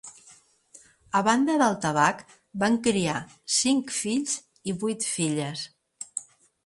A banda del tabac, van criar cinc fills i vuit filles.